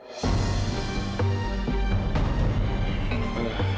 gini kak aku tau